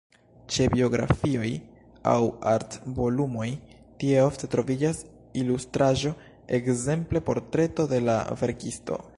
Ĉe biografioj aŭ art-volumoj tie ofte troviĝas ilustraĵo, ekzemple portreto de la verkisto.